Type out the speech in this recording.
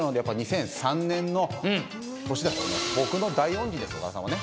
僕の大恩人です岡田さんはね。